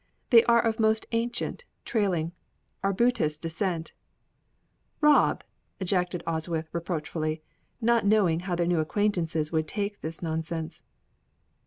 They are of most ancient, trailing arbutus descent " "Rob!" ejaculated Oswyth, reproachfully, not knowing how their new acquaintances would take this nonsense.